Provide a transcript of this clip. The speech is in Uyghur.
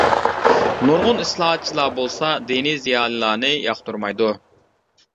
نۇرغۇن ئىسلاھاتچىلار بولسا، دىنىي زىيالىيلارنى ياقتۇرمايدۇ.